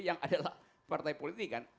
yang adalah partai politik kan